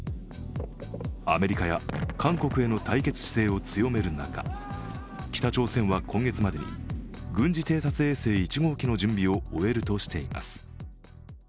アメリカへ韓国への対決姿勢を強める中、北朝鮮は今月までに、軍事偵察衛星１号機の準備を終えるとしています。